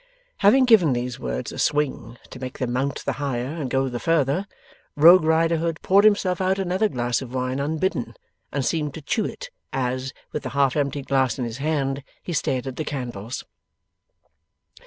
Having given these words a swing to make them mount the higher and go the further, Rogue Riderhood poured himself out another glass of wine unbidden, and seemed to chew it, as, with the half emptied glass in his hand, he stared at the candles.